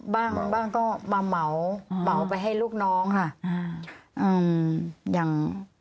บ้างบ้างก็มาเหมาเหมาไปให้ลูกน้องค่ะอ่าอืมอย่าง